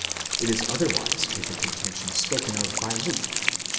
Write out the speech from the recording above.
It is otherwise with the contention spoken of by Luke (xxii.